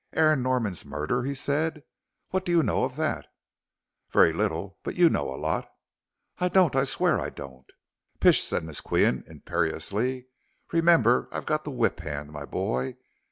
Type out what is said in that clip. "Aaron Norman's murder," he said, "what do you know of that?" "Very little, but you know a lot." "I don't, I swear I don't." "Pish," said Miss Qian, imperiously, "remember I've got the whip hand, my boy.